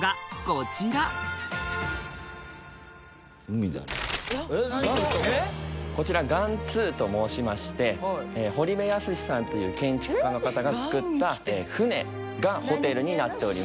これこちらガンツウと申しまして堀部安嗣さんという建築家の方がつくった船がホテルになっております